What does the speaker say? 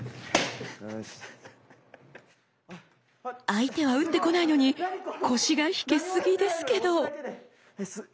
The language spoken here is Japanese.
相手は打ってこないのに腰が引けすぎですけど！